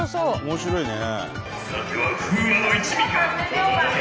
面白いね。